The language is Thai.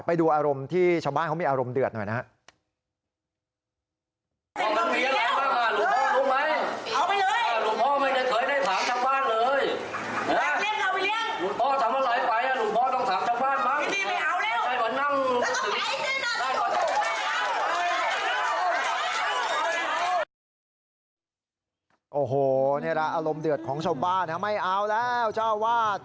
ไปดูอารมณ์ที่ชาวบ้านเขามีอารมณ์เดือดหน่อยนะครับ